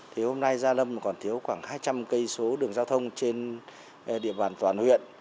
thì hôm nay gia lâm còn thiếu khoảng hai trăm linh cây số đường giao thông trên địa bàn toàn huyện